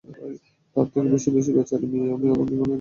তার থেকে বেশি বেচারি মেয়ে আমি আমার জীবনেও দেখিনি!